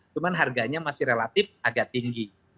cuma harganya masih relatif agak tinggi